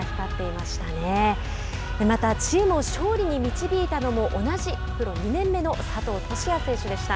またチームを勝利に導いたのも同じプロ２年目の佐藤都志也選手でした。